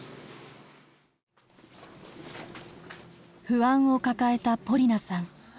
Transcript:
不安を抱えたポリナさん。